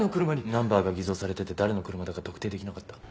ナンバーが偽造されてて誰の車だか特定できなかった。